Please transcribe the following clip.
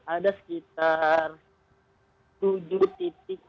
ada sekitar tujuh titik yang dilakukan